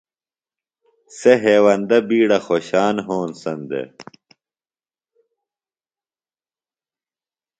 سےۡ ہیوندہ بِیڈہ خوشان ہوںسن دےۡ